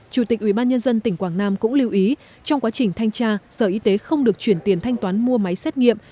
chủ tịch ubnd tỉnh quảng nam cũng lưu ý trong quá trình thanh tra sở y tế không được chuyển tiền thanh toán mua máy xét nghiệm